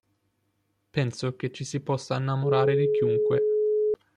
Penso che ci si possa innamorare di chiunque.".